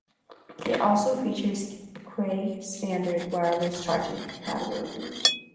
It also features Qi standard wireless charging compatibility.